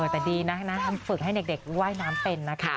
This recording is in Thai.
แต่ดีนะฝึกให้เด็กว่ายน้ำเป็นนะคะ